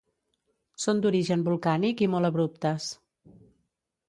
Són d'origen volcànic i molt abruptes.